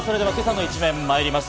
今朝の一面です。